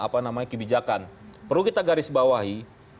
perlu kita garis bawahi